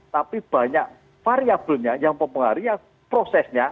tapi banyak variabelnya yang mempengaruhi prosesnya